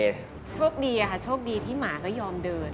โชคดีอะค่ะโชคดีที่หมาก็ยอมเดิน